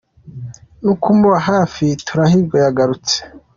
no kumuba hafi Turahirwa yagarutse.